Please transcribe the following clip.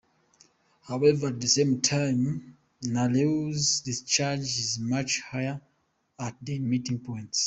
However, at the same time Narew's discharge is much higher at their meeting point.